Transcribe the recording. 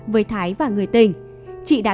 với thái và người tình chị đã